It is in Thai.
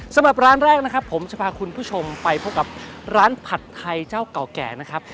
สำหรับร้านแรกนะครับผมจะพาคุณผู้ชมไปพบกับร้านผัดไทยเจ้าเก่าแก่นะครับ